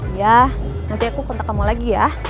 iya nanti aku kontak kamu lagi ya